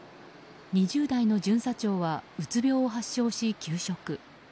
２０代の巡査長はうつ病を発症し休職。